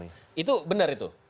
itu benar itu